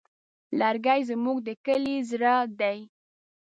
لرګی زموږ د کلي زړه دی.